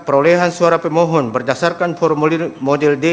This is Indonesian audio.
perolehan suara pemohon berdasarkan model d